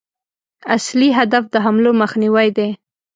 اصلي هدف د حملو مخنیوی دی.